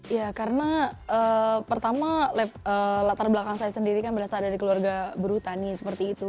ya karena pertama latar belakang saya sendiri kan berasal dari keluarga berhutani seperti itu